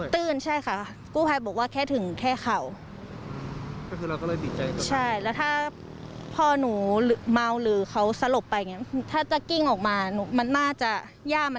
มีอย่างอย่างเท่านั้นบางนี้ตื่นด้วยตื่นใช่ค่ะ